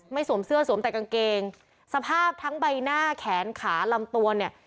สวมเสื้อสวมแต่กางเกงสภาพทั้งใบหน้าแขนขาลำตัวเนี่ย